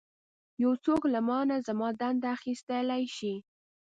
یو څوک له مانه زما دنده اخیستلی شي.